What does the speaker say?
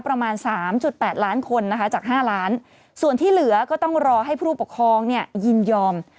ประมาณ๓๘ล้านคนนะคะจาก๕ล้านส่วนที่เหลือก็ต้องรอให้ผู้ปกครองเนี่ยยินยอม